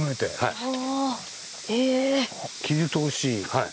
はい。